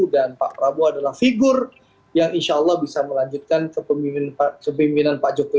dan pak prabu adalah figur yang insya allah bisa melanjutkan kepemimpinan pak jokowi